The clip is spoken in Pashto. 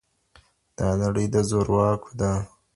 دا نړۍ د زورواکو ده.